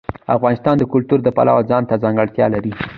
افغانستان د کلتور د پلوه ځانته ځانګړتیا لري.